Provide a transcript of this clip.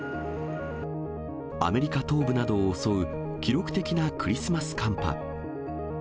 アメリカ東部などを襲う記録的なクリスマス寒波。